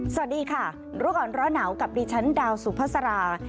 สวัสดีค่ะรุ่นร้อนเหนากับดิฉันดาวสุพษารา